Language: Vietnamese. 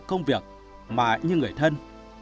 công việc mà như người thân